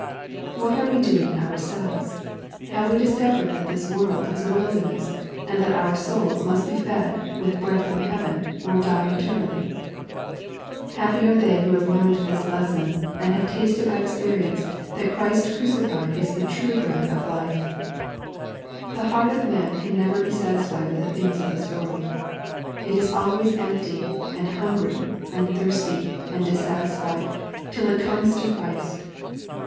What are we doing ourselves ? Ha vejve discovered that this world is a wilderness, and that our souls must be fed with bread from heaven, or die eternally ? Happy are they who have learned this lesson, and have tasted by experience, that Christ crucified is the true bread of life ! The heart of manu^an. never be satisfied with the things of this world. It is always empty, and hungry, and thirsty, and dissatisfied, tUPit comes to Christ.